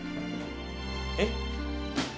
えっ？